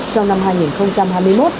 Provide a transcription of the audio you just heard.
trong năm hai nghìn hai mươi một